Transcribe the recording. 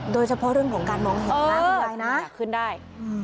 โดยเฉพาะเรื่องของการมองของข้างด้วยนะคุณยายขึ้นได้